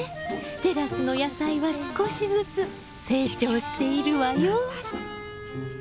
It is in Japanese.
テラスの野菜は少しずつ成長しているわよ。